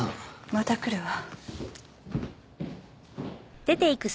また来るわ。